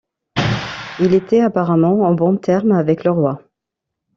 Il était apparemment en bon termes avec le roi.